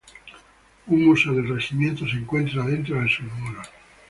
Un museo del regimiento se encuentra dentro de sus muros.